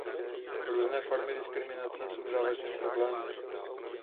Různé formy diskriminace jsou závažným problémem.